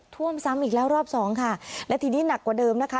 ท่วมซ้ำอีกแล้วรอบสองค่ะและทีนี้หนักกว่าเดิมนะคะ